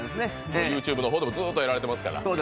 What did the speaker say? ＹｏｕＴｕｂｅの方でもずっとやられてますから。